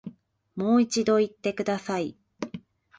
もう一度言ってください